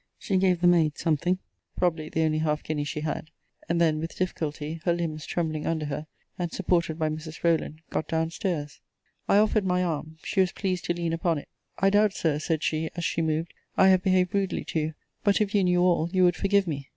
She gave the maid something; probably the only half guinea she had: and then with difficulty, her limbs trembling under her, and supported by Mrs. Rowland, got down stairs. I offered my arm: she was pleased to lean upon it. I doubt, Sir, said she, as she moved, I have behaved rudely to you: but, if you knew all, you would forgive me.